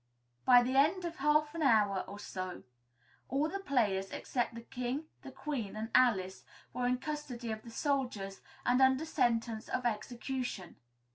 By the end of half an hour or so, all the players, except the King, the Queen and Alice, were in custody of the soldiers and under sentence of execution.